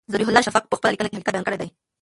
ذبیح الله شفق په خپله لیکنه کې حقیقت بیان کړی دی.